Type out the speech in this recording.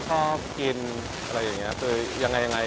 คือเราคุยกันเหมือนเดิมตลอดเวลาอยู่แล้วไม่ได้มีอะไรสูงแรง